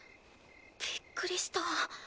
びっくりした。